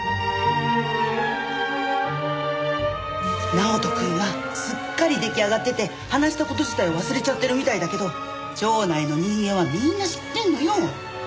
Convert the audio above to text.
直人くんはすっかり出来上がってて話した事自体忘れちゃってるみたいだけど町内の人間はみんな知ってんのよ。